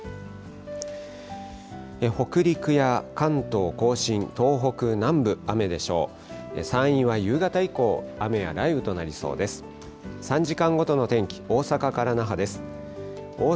北陸や関東甲信、東北南部、雨でしょう。